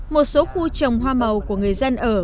một số khu trồng hoa màu của người dân ở